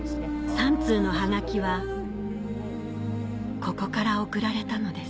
３通のはがきはここから送られたのです